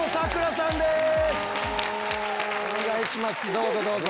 どうぞどうぞ。